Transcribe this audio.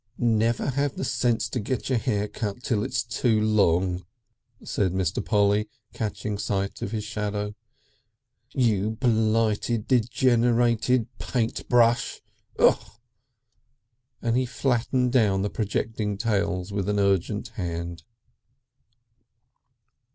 "Never have the sense to get your hair cut till it's too long," said Mr. Polly catching sight of his shadow, "you blighted, degenerated Paintbrush! Ugh!" and he flattened down the projecting tails with an urgent hand.